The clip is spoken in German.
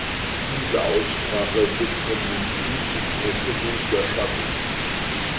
Diese Aussprache wird von dem Krieg im Kosovo überschattet.